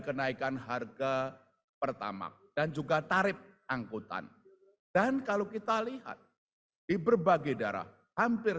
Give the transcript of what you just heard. kenaikan harga pertama dan juga tarif angkutan dan kalau kita lihat di berbagai daerah hampir